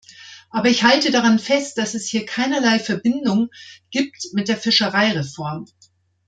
Aber ich halte daran fest, dass es hier keinerlei Verbindung gibt mit der Fischereireform.